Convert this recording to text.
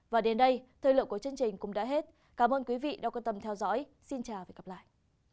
và đến đây thời lượng của chương trình cũng đã hết cảm ơn quý vị đã quan tâm theo dõi xin chào và hẹn gặp lại